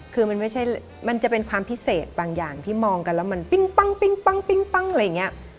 คือมันไม่ใช่มันจะเป็นความพิเศษบางอย่างที่มองกันแล้วมันปิ้งอะไรอย่างนี้